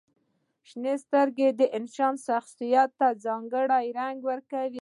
• شنې سترګې د انسان شخصیت ته ځانګړې رنګ ورکوي.